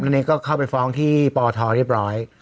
อันนี้ก็เข้าไปฟ้องที่ปทเรียบร้อย